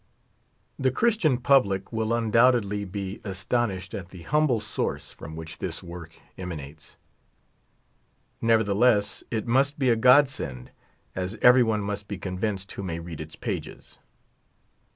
The Christian public will iindoiibtedl} be astonished at the humble source from which this work emanates. Nevertheless it must be a God send, as every one must be convinced who may read its pages.